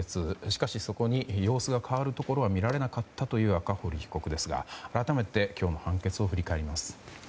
しかし、そこに様子が変わるところは見られなかったという赤堀被告ですが改めて今日の判決を振り返ります。